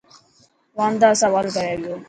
واندا سوال ڪري پيو.